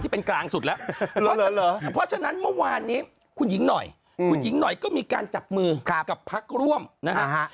เพราะฉะนั้นคุณหญิงหน่อยก็มีการจับมือกับพักร่วมนะฮะ